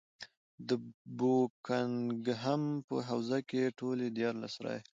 د بوکنګهم په حوزه کې ټولې دیارلس رایې.